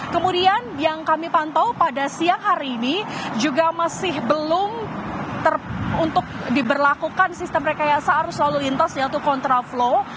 kemudian yang kami pantau pada siang hari ini juga masih belum untuk diberlakukan sistem rekayasa arus lalu lintas yaitu kontraflow